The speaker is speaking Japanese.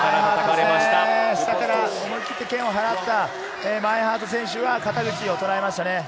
下から思い切って剣を払ったマインハート選手が肩口をとらえましたね。